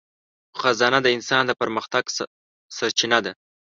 خزانه د انسان د پرمختګ سرچینه ده.